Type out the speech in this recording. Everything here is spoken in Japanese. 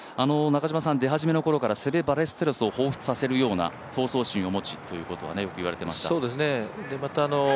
出始めのころからセベ・バレステロスを彷彿させるような闘争心を持つということはよく言われていました。